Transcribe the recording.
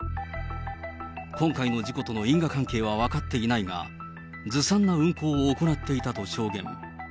今回の事故との因果関係は分かっていないが、ずさんな運航を行っていたと証言。